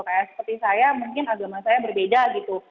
kayak seperti saya mungkin agama saya berbeda gitu